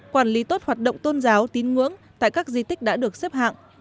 quản lý tốt hoạt động tôn giáo tín ngưỡng tại các di tích đã được xếp hạng